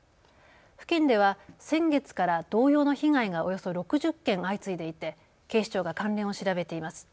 付近では先月から同様の被害がおよそ６０件相次いでいて警視庁が関連を調べています。